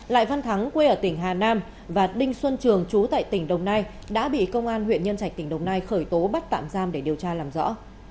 lại văn thắng quê ở tỉnh hà nam và đinh xuân trường chú tại tỉnh đồng nai đã bị công an huyện nhân trạch tỉnh đồng nai khởi tố bắt tạm giam để điều tra làm rõ